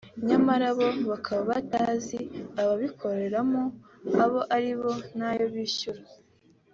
nyamara bo bakaba batazi ababikoreramo abo aribo n’ayo bishyura